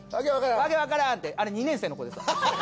訳わからんってあれ２年生の子でした。